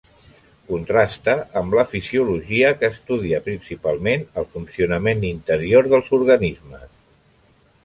Contrasta amb la fisiologia, que estudia principalment el funcionament interior dels organismes.